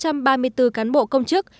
một trăm ba mươi bốn cán bộ công chức